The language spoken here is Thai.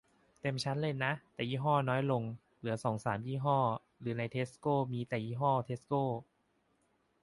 เต็มชั้นเลยนะ แต่ยี่ห้อน้อยลง เหลือสองสามยี่ห้อ หรือในเทสโกมีแต่ยี่ห้อเทสโก